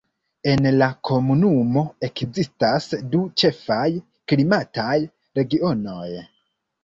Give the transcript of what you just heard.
En la komunumo ekzistas du ĉefaj klimataj regionoj.